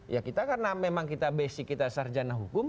ya kita karena memang kita basic kita sarjana hukum